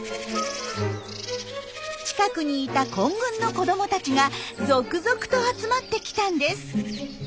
近くにいた混群の子どもたちが続々と集まってきたんです。